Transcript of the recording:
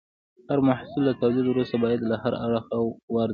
هر محصول له تولید وروسته باید له هر اړخه وارزول شي.